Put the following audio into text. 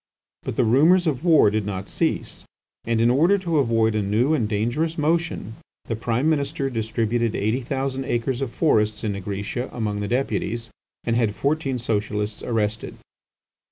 But the rumours of war did not cease, and in order to avoid a new and dangerous motion, the Prime Minister distributed eighty thousand acres of forests in Nigritia among the Deputies, and had fourteen Socialists arrested.